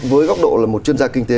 với góc độ là một chuyên gia kinh tế